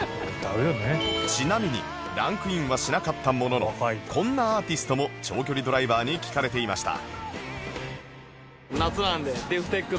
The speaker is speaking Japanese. ちなみにランクインはしなかったもののこんなアーティストも長距離ドライバーに聴かれていました